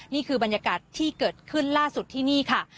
นี่คือบรรยากาศที่เกิดขึ้นล่าสุดที่นี่ค่ะ